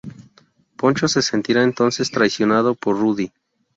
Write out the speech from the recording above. Poncho se sentirá entonces traicionado por Rudy.